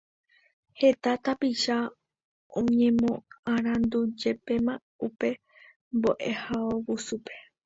Heta tapicha oñemoarandujepéma upe mbo'ehaovusúpe